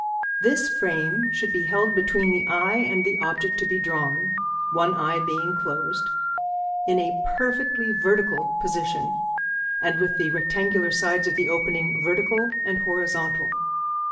This frame should be held between the eye and the object to be drawn (one eye being closed) in a perfectly vertical position, and with the rectangular sides of the opening vertical and horizontal.